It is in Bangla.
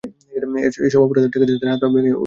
এই সব অপরাধ ঠেকাতে তাদের হাত-পা ভেঙাই উচিত বলে মনে করছি।